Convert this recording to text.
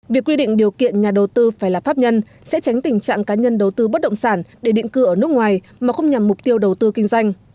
việc quy định điều kiện nhà đầu tư phải là pháp nhân sẽ tránh tình trạng cá nhân đầu tư bất động sản để định cư ở nước ngoài mà không nhằm mục tiêu đầu tư kinh doanh